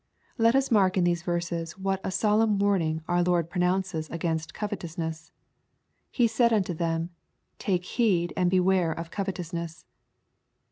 Let us mark in these verses what a solemn warning our Lord pronounces against covefousness, "He said unto them, take heed and beware of covetousness.''